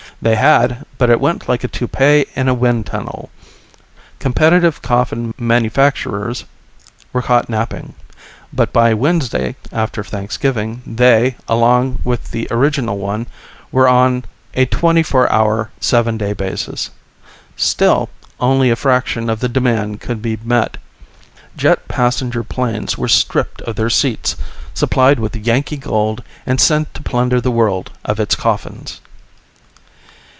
They had, but it went like a toupee in a wind tunnel. Competitive coffin manufacturers were caught napping, but by Wednesday after Thanksgiving they, along with the original one, were on a twenty four hour, seven day basis. Still only a fraction of the demand could be met. Jet passenger planes were stripped of their seats, supplied with Yankee gold, and sent to plunder the world of its coffins.